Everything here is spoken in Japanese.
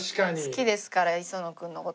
好きですから磯野君の事。